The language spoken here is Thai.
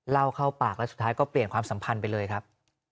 เล่าเข้าปากแล้วสุดท้ายก็เปลี่ยนความสัมพันธ์ไปเลยครับ